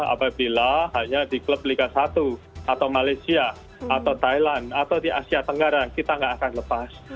apabila hanya di klub liga satu atau malaysia atau thailand atau di asia tenggara kita nggak akan lepas